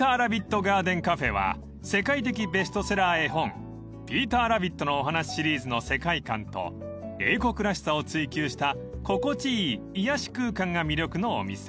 ［世界的ベストセラー絵本『ピーターラビットのおはなし』シリーズの世界観と英国らしさを追求した心地いい癒やし空間が魅力のお店］